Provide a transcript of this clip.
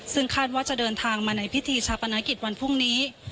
ซึ่งคาดว่าจะเดินทางมาในพิธีชาปนกิจวันพรุ่งนี้